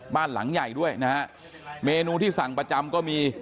บ้านหลังใหญ่ด้วยนะฮะเมนูที่สั่งประจำก็มี